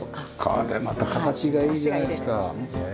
これまた形がいいじゃないですか。